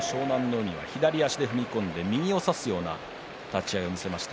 海は左足で踏み込んで右を差すような立ち合いを見せました。